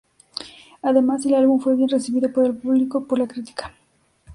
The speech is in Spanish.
Además, el álbum fue bien recibido por el público y por la crítica.